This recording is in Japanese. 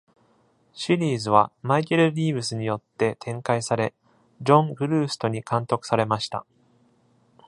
シリーズはマイケル・リーヴスによって展開され、ジョン・グルーストに監督されました。